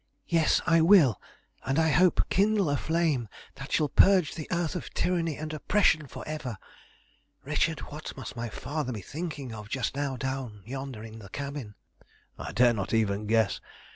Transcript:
"Yes I will, and, I hope, kindle a flame that shall purge the earth of tyranny and oppression for ever. Richard, what must my father be thinking of just now down yonder in the cabin?" "I dare not even guess.